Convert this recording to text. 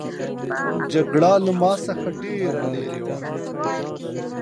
جګړه له ما څخه ډېره لیري وه.